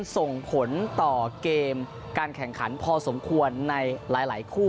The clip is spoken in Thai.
ส่งผลต่อเกมการแข่งขันพอสมควรในหลายคู่